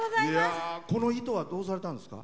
この糸はどうされたんですか？